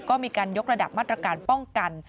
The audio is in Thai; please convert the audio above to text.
ก็มีการยกระดับมาตรการป้องกัน